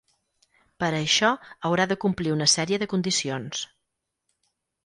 Per a això haurà de complir una sèrie de condicions.